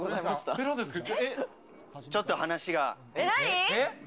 ちょっと話が。